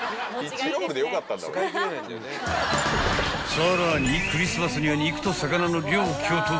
［さらにクリスマスには肉と魚の両巨頭］